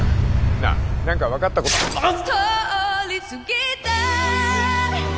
なあ何か分かったことあッ